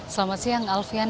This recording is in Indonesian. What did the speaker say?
selamat siang alfian